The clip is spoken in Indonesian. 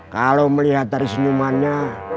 kalau melihat dari senyumannya